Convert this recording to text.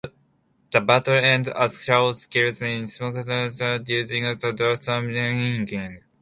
The battle ends as Chaos kills his stepmother using the draft of Unmaking.